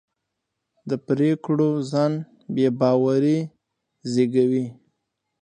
د پرېکړو ځنډ بې باوري زېږوي